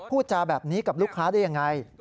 พูดจาแบบนี้กับลูกค้าได้ยังไง